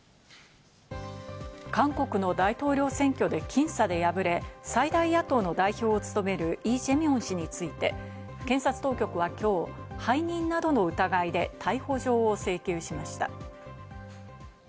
韓国の大統領選挙で僅差で敗れ、最大野党の代表を務めるイ・ジェミョン氏について、検察当局は今日、背任などの疑いで逮捕状を請求しました。